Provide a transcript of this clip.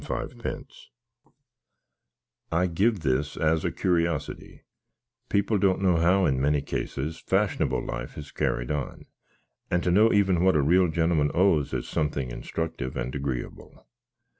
987 10 0 £14,069 8 5 I give this as a curiosity pipple doant know how in many cases fashnabhle life is carried on; and to know even what a real gnlmn owes is somethink instructif and agreeable.